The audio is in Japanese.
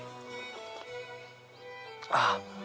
あっ！